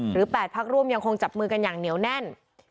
๘พักร่วมยังคงจับมือกันอย่างเหนียวแน่น